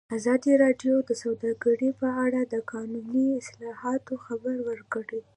ازادي راډیو د سوداګري په اړه د قانوني اصلاحاتو خبر ورکړی.